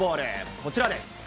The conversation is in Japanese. こちらです。